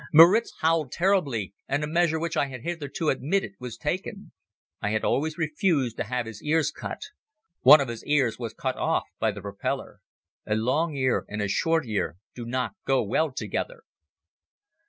Moritz howled terribly and a measure which I had hitherto omitted was taken. I had always refused to have his ears cut. One of his ears was cut off by the propeller. A long ear and a short ear do not go well together.